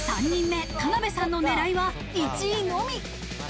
３人目、田辺さんの狙いは１位のみ。